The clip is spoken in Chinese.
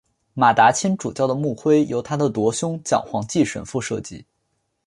马达钦主教的牧徽由他的铎兄蒋煌纪神父设计。